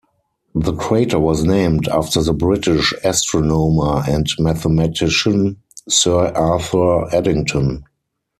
The crater was named after the British astronomer and mathematician Sir Arthur Eddington.